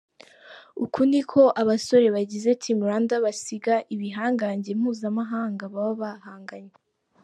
Uku niko abasore bagize Team Rwanda basiga ibihangange mpuzamahanga baba bahanganye.